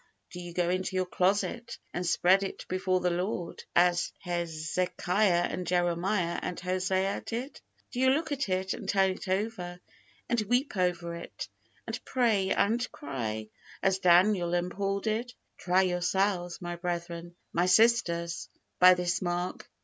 Do you go into your closet, and spread it before the Lord, as Hezekiah and Jeremiah and Hosea did? Do you look at it, and turn it over, and weep over it, and pray and cry, as Daniel and Paul did? Try yourselves, my brethren, my sisters, by this mark.